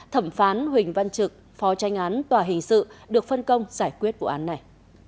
thẩm phán huỳnh văn trực phó tranh án tòa hình sự được phân công giải quyết vụ án này